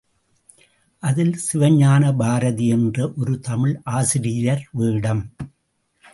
அதில் சிவஞான பாரதி என்ற ஒரு தமிழ் ஆசிரியர் வேடம்.